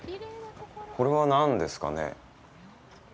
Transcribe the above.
これは何ですかね。